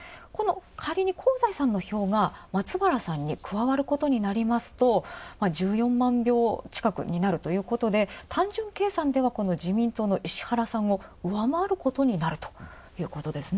仮に香西さんの票が松原さんに加わることになりますと１４万票近くになるということで、単純計算では自民党の石原さんを上回ることになるということですね。